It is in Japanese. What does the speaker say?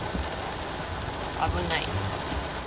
危ない。